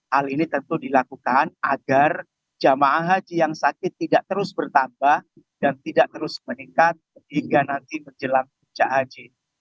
hal ini tentu dilakukan agar jemaah haji yang sakit tidak terus bertambah dan tidak terus meningkat hingga nanti menjelang puncak haji